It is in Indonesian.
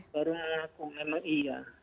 baru mengaku memang iya